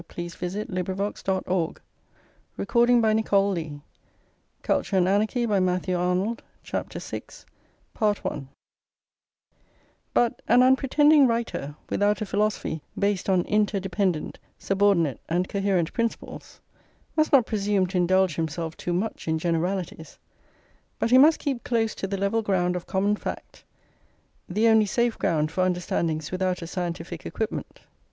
thou that abhorrest idols, dost thou commit sacrilege?" King James Bible. CHAPTER VI But an unpretending writer, without a philosophy based on inter dependent, subordinate, and coherent principles, must not presume to indulge himself too much in generalities, but he must keep close to the level ground of common fact, the only safe ground for understandings without a scientific equipment.